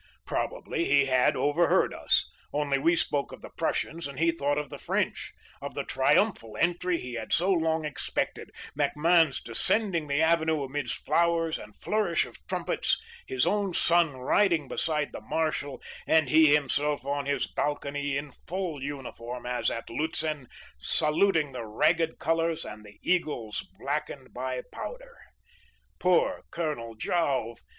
Probably he had overheard us; only we spoke of the Prussians and he thought of the French, of the triumphal entry he had so long expected, MacMahon descending the Avenue amidst flowers and flourish of trumpets, his own son riding beside the marshal, and he himself on his balcony, in full uniform as at Lützen, saluting the ragged colors and the eagles blackened by powder."Poor Colonel Jouve!